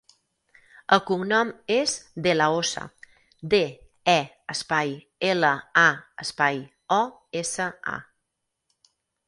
El cognom és De La Osa: de, e, espai, ela, a, espai, o, essa, a.